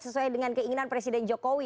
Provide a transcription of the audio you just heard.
sesuai dengan keinginan presiden jokowi